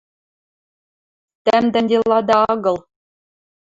Тӓмдӓн делада агыл...